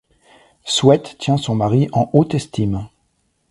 Sweat tient son mari en haute estime.